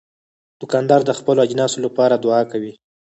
دوکاندار د خپلو اجناسو لپاره دعا کوي.